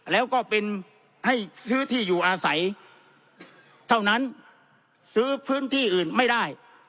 แล้วก็เป็นให้ซื้อที่อยู่อาศัยเท่านั้นซื้อพื้นที่อื่นไม่ได้